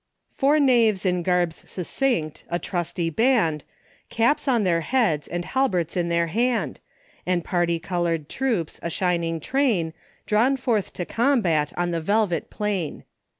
11 Four knaves in garbs succinct, a trusty band, Caps on their beads, and balberts in tbeir band ; And party color'd troops, a shining train, Drawn forth to combat on the velvet plain.'